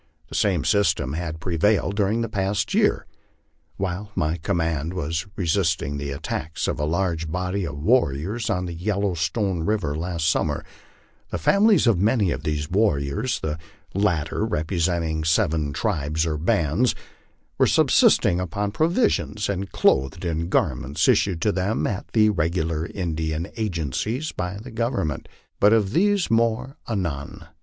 The same system has prevailed during the past year. While my command was resist ing the attacks of a large body of warriors on the Yellowstone river last sum mer, the families of many of these warriors, the latter representing seven tribes or bands, were subsisting upon provisions and clothed in garments issued to them at the regular Indian agencies by the Government. But of this more anon.